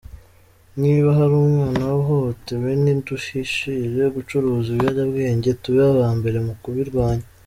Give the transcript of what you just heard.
Niba hari umwana wahohotewe ntiduhishire, gucuruza ibiyobyabwenge tube aba mbere mu kubirwanya.